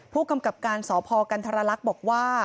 ผู้กำกับการสพกันธรรลักษณ์บอกว่า